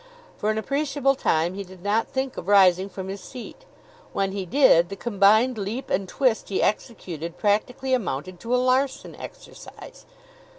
For an appreciable time he did not think of rising from his seat. When he did, the combined leap and twist he executed practically amounted to a Larsen Exercise.